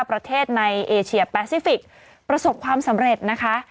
ประเทศในเอเชียแปซิฟิกประสบความสำเร็จนะคะ